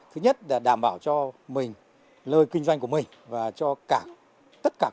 thứ nhất là đảm bảo cho mình lời kinh doanh của mình và cho cả tất cả các